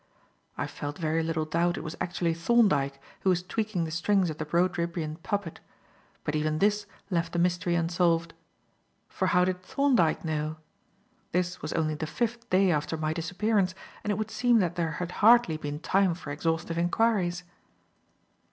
I felt very little doubt it was actually Thorndyke who was tweaking the strings of the Brodribbian puppet. But even this left the mystery unsolved. For how did Thorndyke know? This was only the fifth day after my disappearance, and it would seem that there had hardly been time for exhaustive enquiries.